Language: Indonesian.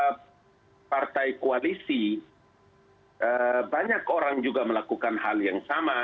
karena kita partai koalisi banyak orang juga melakukan hal yang sama